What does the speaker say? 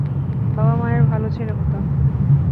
বাবা-মায়ের ভালো ছেলে হতাম।